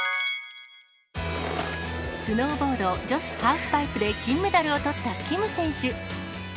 スノーボード女子ハーフパイプで金メダルをとったキム選手。